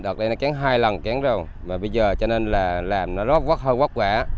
đợt này nó kén hai lần kén rồi mà bây giờ cho nên là làm nó rớt rớt hơi rớt quả